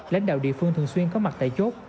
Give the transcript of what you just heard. lãnh đạo địa phương thường xuyên có mặt tại chốt